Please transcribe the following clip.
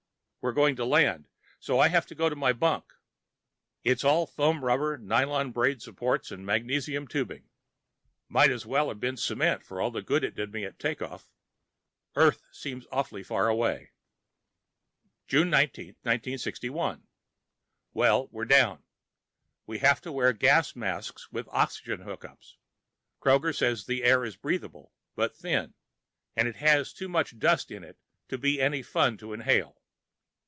We're going to land, so I have to go to my bunk. It's all foam rubber, nylon braid supports and magnesium tubing. Might as well be cement for all the good it did me at takeoff. Earth seems awfully far away. June 19, 1961 Well, we're down. We have to wear gas masks with oxygen hook ups. Kroger says the air is breathable, but thin, and it has too much dust in it to be any fun to inhale.